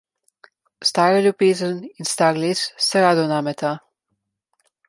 Stara ljubezen in star les se rada vnameta.